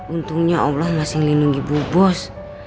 untungnya allah masih lindungi bu bos